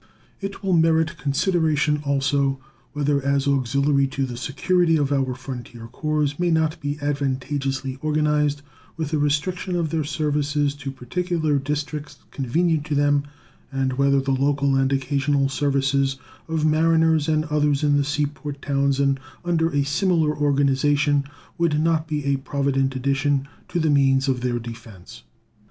It will merit consideration also whether as auxiliary to the security of our frontiers corps may not be advantageously organized with a restriction of their services to particular districts convenient to them, and whether the local and occasional services of mariners and others in the sea port towns under a similar organization would not be a provident addition to the means of their defense.